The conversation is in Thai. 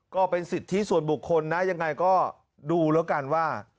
ก็เป็นสิทธิส่วนบุคคลนะยังไงก็ดูแล้วกันว่า